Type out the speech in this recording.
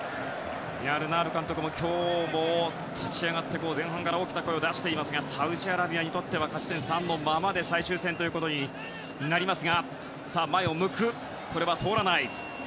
ルナール監督は今日も立ち上がって前半から大きな声を出していますがサウジアラビアにとっては勝ち点３のままで最終戦となります。